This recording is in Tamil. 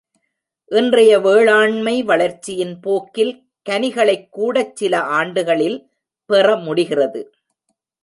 இன்றைய வேளாண்மை வளர்ச்சியின் போக்கில் கனிகளைக் கூடச் சில ஆண்டுகளில் பெற முடிகிறது.